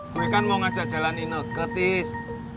gue kan mau ngajak jalanin ke ketis